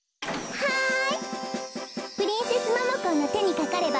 はい。